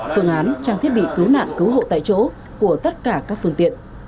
phương án trang thiết bị cứu nạn cứu hộ tại chỗ của tất cả các phương tiện